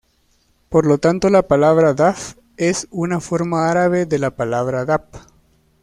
Por lo tanto la palabra "daf" es una forma árabe de la palabra "dap".